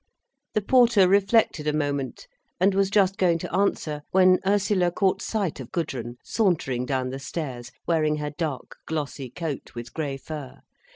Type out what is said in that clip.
The porter reflected a moment, and was just going to answer, when Ursula caught sight of Gudrun sauntering down the stairs, wearing her dark glossy coat, with grey fur.